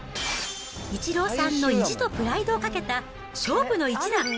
イチローさんの意地とプライドをかけた勝負の一打。